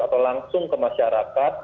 atau langsung ke masyarakat